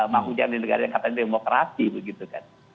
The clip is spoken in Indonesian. mau jadi negara yang katanya demokrasi begitu kan